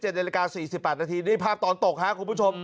๑๗น๔๘นนี่ภาพตอนตกครับคุณผู้ชม